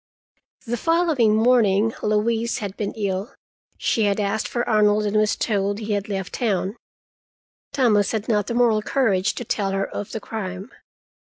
The following morning Louise had been ill. She had asked for Arnold, and was told he had left town. Thomas had not the moral courage to tell her of the crime.